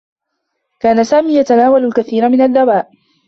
كان سامي يتناول الكثير من الدّواء.